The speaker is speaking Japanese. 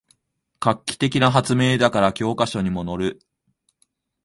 画期的な発明だから教科書にものる